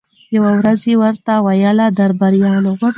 یوه ورځ ورته ویله درباریانو